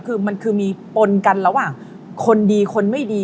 คือมันคือมีปนกันระหว่างคนดีคนไม่ดี